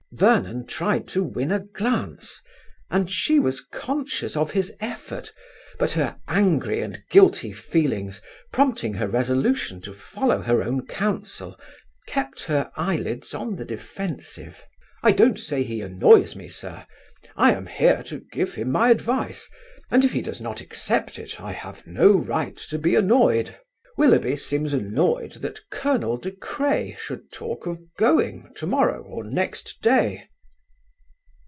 Vernon tried to win a glance, and she was conscious of his effort, but her angry and guilty feelings, prompting her resolution to follow her own counsel, kept her eyelids on the defensive. "I don't say he annoys me, sir. I am here to give him my advice, and if he does not accept it I have no right to be annoyed. Willoughby seems annoyed that Colonel De Craye should talk of going to morrow or next day."